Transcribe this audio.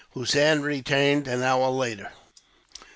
Hossein returned an hour later.